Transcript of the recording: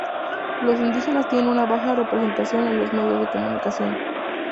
Los indígenas tienen una baja representación en los medios de comunicación.